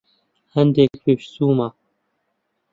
هەندێک پێشچوومە.